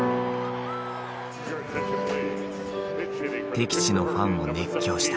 敵地のファンも熱狂した。